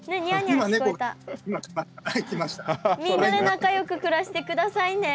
みんなで仲良く暮らして下さいね。